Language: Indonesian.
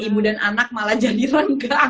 ibu dan anak malah jadi rongga